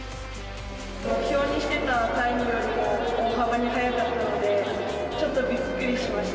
目標にしてたタイムよりも大幅に速かったので、ちょっとびっくりしました。